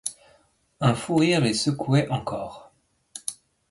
Un fou rire les secouait encore.